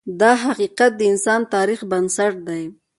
دا حقیقت د انسان د تاریخ بنسټ دی.